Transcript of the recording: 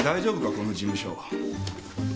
この事務所。さあ？